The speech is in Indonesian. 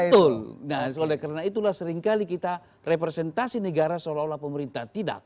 betul nah oleh karena itulah seringkali kita representasi negara seolah olah pemerintah tidak